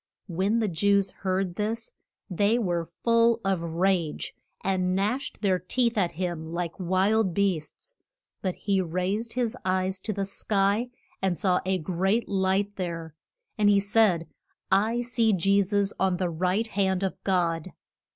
When the Jews heard this they were full of rage, and gnashed their teeth at him like wild beasts. But he raised his eyes to the sky, and saw a great light there. And he said, I see Je sus on the right hand of God.